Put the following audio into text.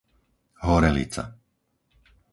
Horelica